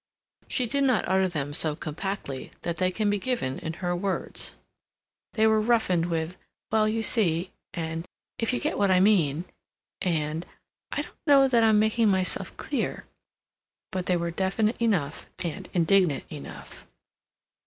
She did not utter them so compactly that they can be given in her words; they were roughened with "Well, you see" and "if you get what I mean" and "I don't know that I'm making myself clear." But they were definite enough, and indignant enough.